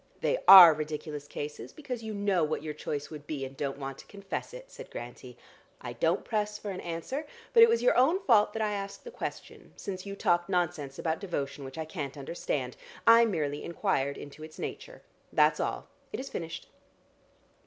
"They are ridiculous cases, because you know what your choice would be, and don't want to confess it," said Grantie. "I don't press for an answer, but it was your own fault that I asked the question since you talked nonsense about devotion which I can't understand. I merely inquired into its nature. That's all; it is finished."